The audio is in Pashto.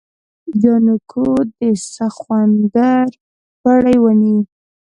جانکو د سخوندر پړی ونيو.